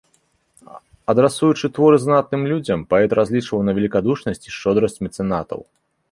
Адрасуючы творы знатным людзям, паэт разлічваў на велікадушнасць і шчодрасць мецэнатаў.